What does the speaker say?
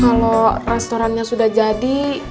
kalau restorannya sudah jadi